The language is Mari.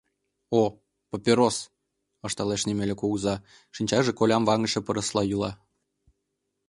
— О, поперос! — ышталеш Немеля кугыза, шинчаже колям ваҥыше пырысла йӱла.